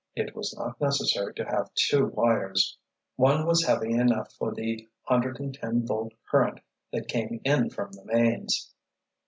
It was not necessary to have two wires. One was heavy enough for the hundred and ten volt current that came in from the mains.